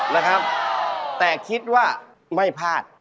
นะครับแต่คิดว่าไม่พลาด